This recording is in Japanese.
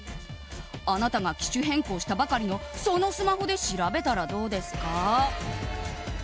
あなたが機種変更したばかりのそのスマホで調べたらどうですか？